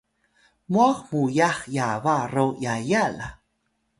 mwah muyax yaba ro yaya la